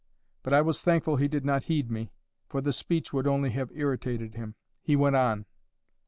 But I was thankful he did not heed me, for the speech would only have irritated him. He went on.